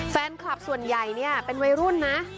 แฟนคลับส่วนใหญ่เนี่ยเป็นวัยรุ่นนะ